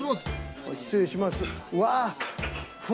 失礼しますうわ！